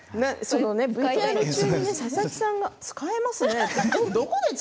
ＶＴＲ見ている佐々木さんが使えますねって。